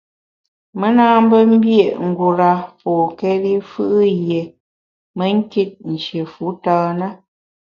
Me na mbié’ ngura pôkéri fù’ yié me nkit nshié fu tâ na.